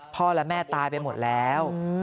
พ่อและแม่ตายไปหมดแล้ว